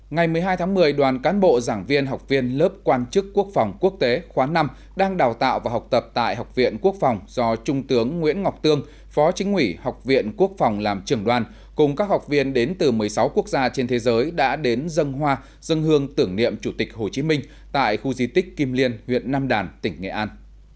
ngày một mươi hai tháng một mươi đoàn cán bộ giảng viên học viên lớp quan chức quốc phòng quốc tế khoá năm đang đào tạo và học tập tại học viện quốc phòng do trung tướng nguyễn ngọc tương phó chính ủy học viện quốc phòng làm trưởng đoàn cùng các học viên đến từ một mươi sáu quốc gia trên thế giới đã đến dân hoa dân hương tưởng niệm chủ tịch hồ chí minh tại khu di tích kim liên huyện nam đàn tỉnh nghệ an